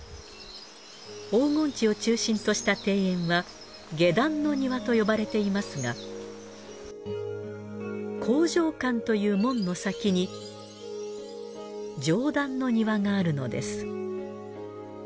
黄金池を中心とした庭園は下段の庭と呼ばれていますが向上関という門の先に上段の庭があるのです。